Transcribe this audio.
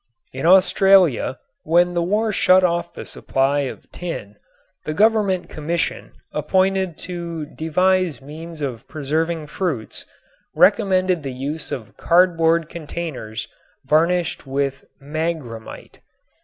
In Australia when the war shut off the supply of tin the Government commission appointed to devise means of preserving fruits recommended the use of cardboard containers varnished with "magramite."